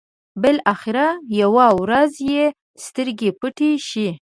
بلاخره يوه ورځ يې سترګې پټې شي.